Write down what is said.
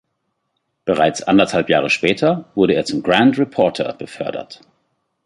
Bereits anderthalb Jahre später wurde er zum "grand reporter" befördert.